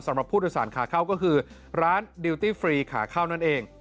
สำหรับผู้โดยสารขาเข้าก็คือร้านดิวตี้ฟรีขาเข้านั่นเอง